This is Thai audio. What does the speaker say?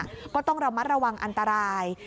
ก็ต้องระมัดระวังอันตราย